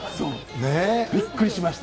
びっくりしました。